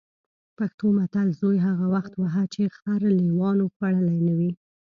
پښتو متل: زوی هغه وخت وهه چې خر لېوانو خوړلی نه وي.